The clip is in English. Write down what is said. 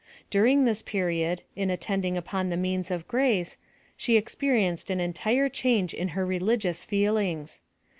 During this period, in attending upon the means of grace, she expe rienced an entire change in her religious feelings.